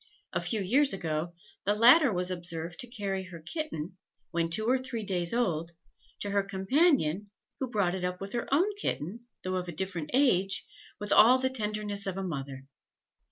A few years ago, the latter was observed to carry her kitten, when two or three days old, to her companion, who brought it up with her own kitten, though of a different age, with all the tenderness of a mother.